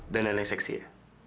dan nilai seksi ya